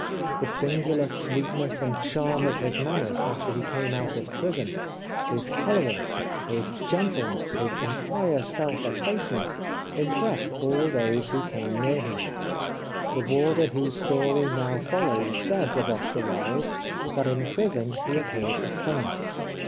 The singular sweet ness and charm of his manners after he came 384 The Life of Oscar Wilde out of prison, his tolerance, his gentleness, his entire self effacement, impressed all those who came near him. The warder whose story now follows says of Oscar Wilde that in prison he appeared a saint.